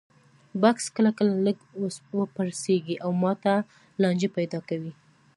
بکس کله کله لږ وپړسېږي او ماته لانجې پیدا کوي.